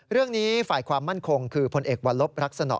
เรื่องนี้ฝ่ายความมั่นคงคือพลเอกวัลลบรักษณะ